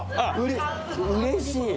うれしい。